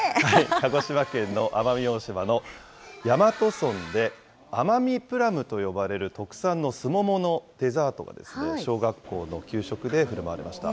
鹿児島県の奄美大島の大和村で、奄美プラムと呼ばれる、特産のスモモのデザートが小学校の給食でふるまわれました。